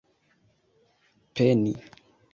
peni